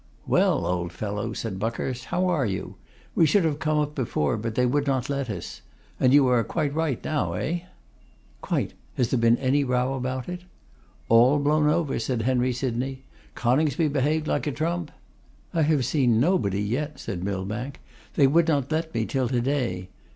'Well, old fellow,' said Buckhurst, 'how are you? We should have come up before, but they would not let us. And you are quite right now, eh?' 'Quite. Has there been any row about it?' 'All blown over,' said Henry Sydney; 'Cy behaved like a trump.' 'I have seen nobody yet,' said Millbank; 'they would not let me till to day.